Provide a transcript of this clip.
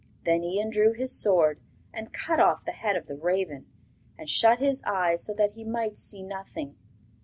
Then Ian drew his sword and cut off the head of the raven, and shut his eyes so that he might see nothing.